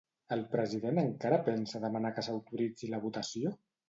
El president encara pensa demanar que s'autoritzi la votació?